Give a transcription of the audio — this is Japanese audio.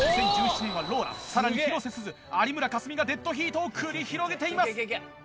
２０１７年はローラさらに広瀬すず有村架純がデッドヒートを繰り広げています！